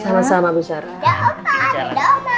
sama sama bu sara